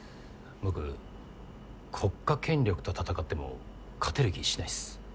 僕国家権力と闘っても勝てる気しないっす。